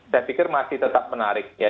saya pikir masih tetap menarik ya